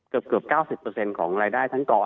เกือบ๙๐ของรายได้ทั้งกร